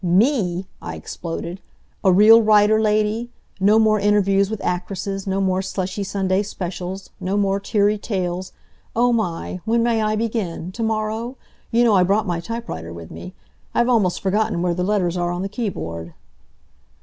"Me!" I exploded "A real writer lady! No more interviews with actresses! No more slushy Sunday specials! No more teary tales! Oh, my! When may I begin? To morrow? You know I brought my typewriter with me. I've almost forgotten where the letters are on the keyboard."